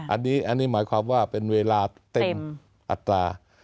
อันนี้หมายความว่าเป็นเวลาเต็มอัตรา